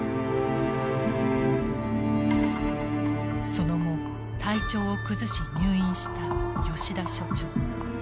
その後体調を崩し入院した吉田所長。